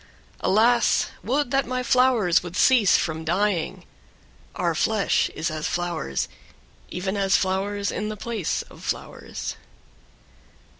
8. Alas! would that my flowers would cease from dying; our flesh is as flowers, even as flowers in the place of flowers.